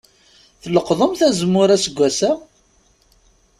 Tleqḍemt azemmur aseggas-a?